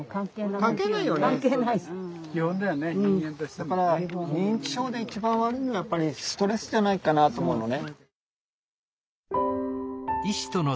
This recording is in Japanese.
だから認知症で一番悪いのはやっぱりストレスじゃないかなと思うのね。